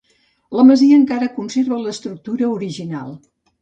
La masia encara conserva l'estructura original.